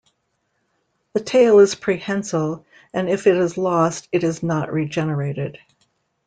The tail is prehensile and if it is lost, it is not regenerated.